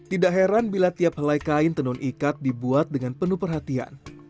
tidak heran bila tiap helai kain tenun ikat dibuat dengan penuh perhatian